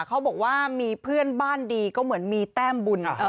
เขาบอกว่ามีเพื่อนบ้านดีก็เหมือนมีแต้มบุญ